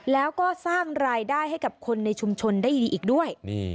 แล้วก็สร้างรายได้ให้กับคนในชุมชนได้ดีอีกด้วย